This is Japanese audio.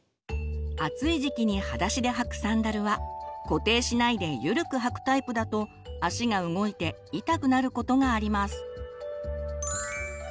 暑い時期にはだしで履くサンダルは固定しないでゆるく履くタイプだと足が動いて痛くなることがあります。